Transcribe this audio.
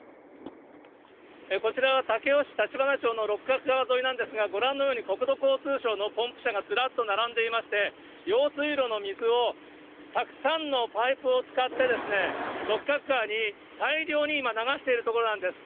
こちらは武雄市たちばなちょうの六角川沿いなんですが、ご覧のように国土交通省のポンプ車がずらっと並んでいまして、用水路の水をたくさんのパイプを使って、六角川に大量に今、流しているところなんです。